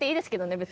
別に。